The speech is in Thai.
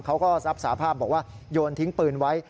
เขาก็รับสาภาพบอกว่าโยนทิ้งปืนไว้